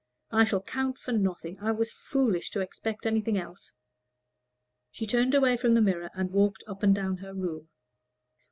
I shall count for nothing. I was foolish to expect anything else." She turned away from the mirror and walked up and down her room.